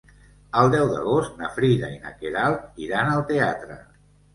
El deu d'agost na Frida i na Queralt iran al teatre.